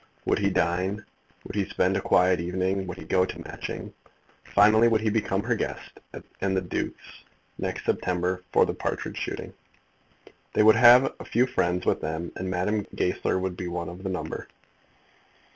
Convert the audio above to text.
Would he dine, would he spend a quiet evening, would he go to Matching? Finally, would he become her guest and the Duke's next September for the partridge shooting? They would have a few friends with them, and Madame Goesler would be one of the number.